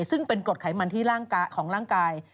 ซึ่งเป็นกรดไขมันที่ของร่างกาย